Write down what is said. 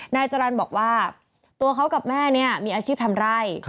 นายจรรย์บอกว่าตัวเขากับแม่เนี่ยมีอาชีพทำไร่